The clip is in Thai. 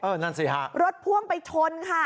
นั่นสิฮะรถพ่วงไปชนค่ะ